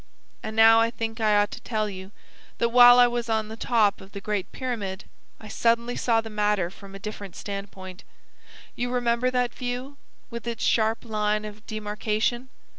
And now I think I ought to tell you that while I was on the top of the Great Pyramid I suddenly saw the matter from a different standpoint. You remember that view, with its sharp line of demarcation?